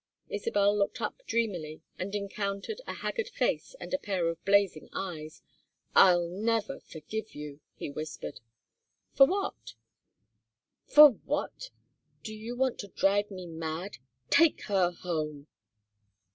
Isabel looked up dreamily and encountered a haggard face and a pair of blazing eyes. "I'll never forgive you!" he whispered. "For what?" "For what! Do you want to drive me mad? Take her home!"